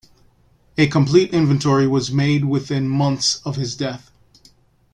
A complete inventory was made within months of his death.